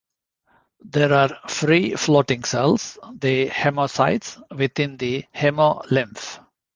There are free-floating cells, the hemocytes, within the hemolymph.